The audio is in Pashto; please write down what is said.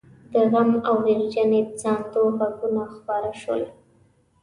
د غم او ويرجنې ساندو غږونه خپاره شول.